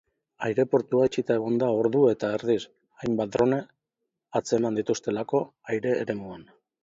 Aireportua itxita egon da ordu eta erdiz, hainbat drone atzeman dituztelako aire eremuan.